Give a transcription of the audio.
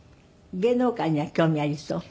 芸能界には興味ありそう？